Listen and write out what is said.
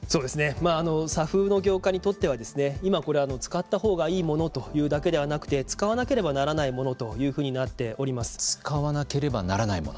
ＳＡＦの業界にとっては今これ使ったほうがいいものというだけではなくて使わなければならないものというふうに使わなければならないもの。